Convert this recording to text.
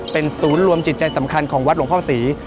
เป็นศูนย์รวมจิตใจสำคัญของวัดหลวงพ่อศรี